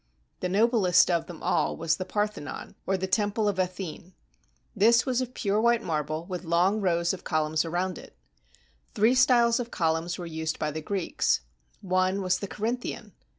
The noblest of them all was the Parthenon, or temple of Athene This was of pure white marble, with long rows of col umns around it. Three styles of columns were used by the Greeks. One was the Corinthian.